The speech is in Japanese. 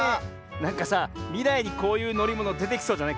なんかさみらいにこういうのりものでてきそうじゃない？